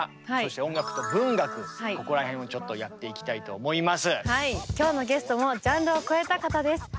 ここらへんをちょっとやっていきたいと思います！